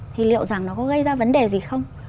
thì liệu rằng nó có gây ra vấn đề gì không